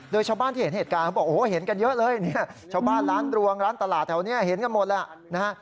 โดยชาวบ้านที่เห็นเหตุการณ์เขาบอกโอ้โหเห็นกันเยอะเลยเนี่ยชาวบ้านร้านรวงร้านตลาดแถวนี้เห็นกันหมดแล้วนะฮะ